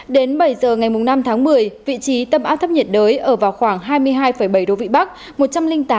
đến bảy giờ ngày năm tháng một mươi vị trí tâm áp thấp nhiệt đới ở vào khoảng hai mươi hai bảy độ vĩ bắc